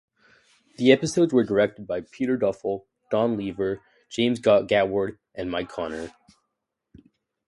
The episodes were directed by Peter Duffell, Don Leaver, James Gatward and Mike Connor.